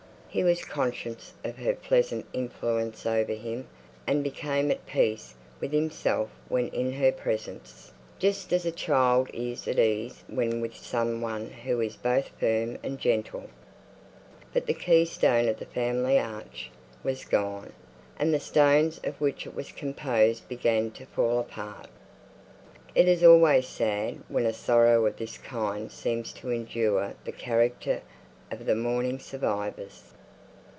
He was conscious of her pleasant influence over him, and became at peace with himself when in her presence; just as a child is at ease when with some one who is both firm and gentle. But the keystone of the family arch was gone, and the stones of which it was composed began to fall apart. It is always sad when a sorrow of this kind seems to injure the character of the mourning survivors.